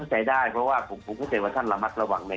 ใจได้เพราะว่าผมเข้าใจว่าท่านระมัดระวังเนี่ย